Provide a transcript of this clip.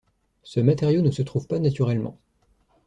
Ce matériau ne se trouve pas naturellement.